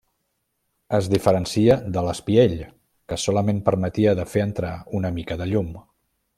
Es diferencia de l'espiell, que solament permetia de fer entrar una mica de llum.